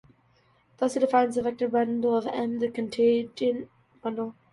Thus it defines a vector bundle on "M": the cotangent bundle.